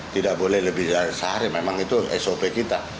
tidak boleh lebih dari sehari memang itu sop kita